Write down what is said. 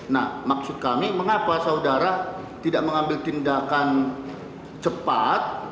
nah maksud kami mengapa saudara tidak mengambil tindakan cepat